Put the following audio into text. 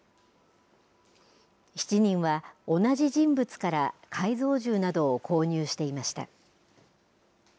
７人は、同じ人物から改造銃などを購入していました。